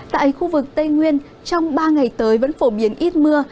tại khu vực tây nguyên trong ba ngày tới vẫn phổ biến ít mưa